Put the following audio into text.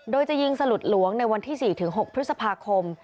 โดยจะยิงสลุดหลวงในวันที่๔๖พฤษภาคม